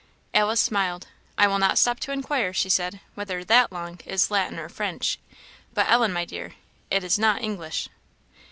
Alice smiled. "I will not stop to inquire," she said, "whether that long is Latin or French; but Ellen, my dear, it is not English."